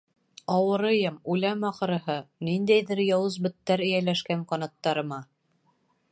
— Ауырыйым, үләм, ахырыһы, ниндәйҙер яуыз беттәр эйәләшкән ҡанаттарыма.